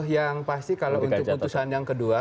yang pasti kalau untuk putusan yang kedua